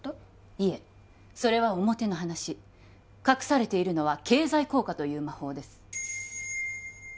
いえそれは表の話隠されているのは経済効果という魔法です